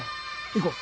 行こう